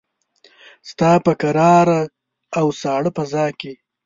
ستا په کراره او ساړه فضاکې